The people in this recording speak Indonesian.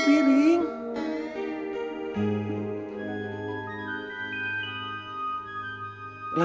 lagian tehduction malam